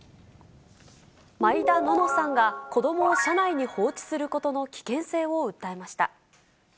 毎田暖乃さんが子どもを車内に放置することの危険性を訴えました。